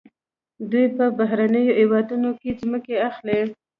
دوی په بهرنیو هیوادونو کې ځمکې اخلي.